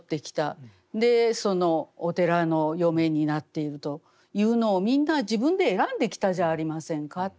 でお寺の嫁になっているというのをみんな自分で選んできたじゃありませんか。